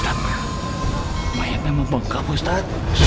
ustaz mayatnya memang bengkak ustaz